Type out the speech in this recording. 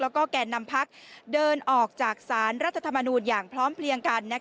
แล้วก็แก่นำพักเดินออกจากสารรัฐธรรมนูญอย่างพร้อมเพลียงกัน